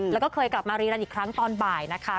แล้วก็เคยกลับมารีรันอีกครั้งตอนบ่ายนะคะ